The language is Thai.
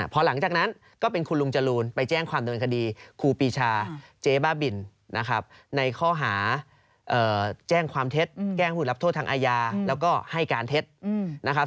พอหลังจากนั้นก็เป็นคุณลุงจรูนไปแจ้งความเดินคดีครูปีชาเจ๊บ้าบินนะครับในข้อหาแจ้งความเท็จแจ้งผู้รับโทษทางอาญาแล้วก็ให้การเท็จนะครับ